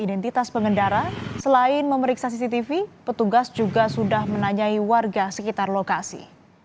identitas pengendara selain memeriksa cctv petugas juga sudah menanyai warga sekitar lokasi